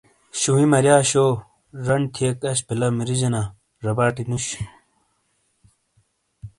شووی مریا شو جن تھیک اش بیلہ مریجینا زباٹی نوش۔